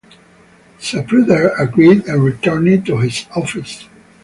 Zapruder agreed and returned to his office.